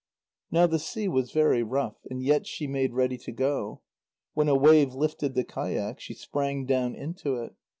Now the sea was very rough, and yet she made ready to go. When a wave lifted the kayak, she sprang down into it.